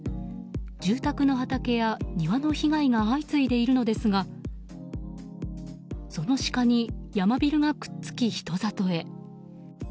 住宅の畑や庭の被害が相次いでるのですがそのシカにヤマビルがくっつき人里へ。